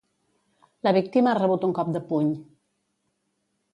La víctima ha rebut un cop de puny.